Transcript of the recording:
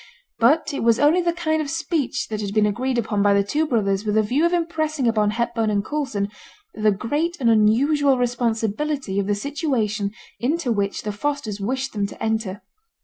But it was only the kind of speech that had been agreed upon by the two brothers with a view of impressing on Hepburn and Coulson the great and unusual responsibility of the situation into which the Fosters wished them to enter.